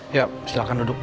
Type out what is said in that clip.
ya silahkan duduk